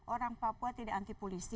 orang papua tidak anti polisi